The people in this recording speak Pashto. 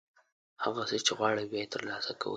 هغه څه چې غواړئ، بیا یې ترلاسه کوئ.